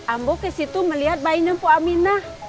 ambo ke situ melihat bayinya pominah